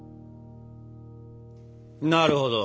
なるほど。